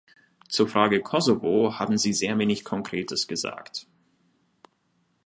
Zur Frage Kosovo haben Sie sehr wenig Konkretes gesagt.